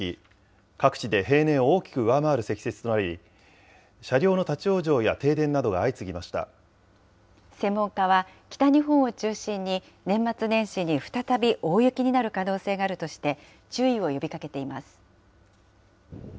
各地で平年を大きく上回る積雪となり、車両の立往生や停電などが専門家は、北日本を中心に、年末年始に再び大雪になる可能性があるとして、注意を呼びかけています。